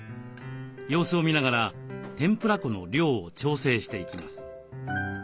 様子を見ながら天ぷら粉の量を調整していきます。